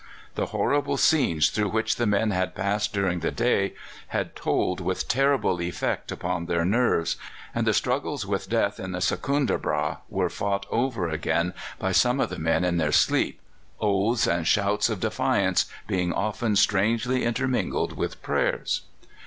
The horrible scenes through which the men had passed during the day had told with terrible effect upon their nerves, and the struggles with death in the Secundrabâgh were fought over again by some of the men in their sleep, oaths and shouts of defiance being often strangely intermingled with prayers.